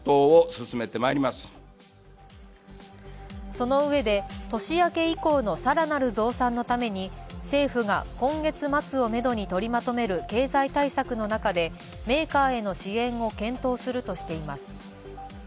そのうえで、年明け以降の更なる増産のために政府が今月末をめどに取りまとめる経済対策の中でメーカーへの支援を検討するとしています。